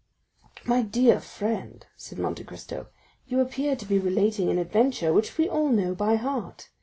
"My dear friend," said Monte Cristo, "you appear to be relating an adventure which we all know by heart.